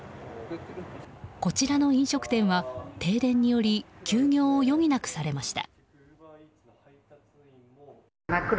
こちらの飲食店は停電により休業を余儀なくされました。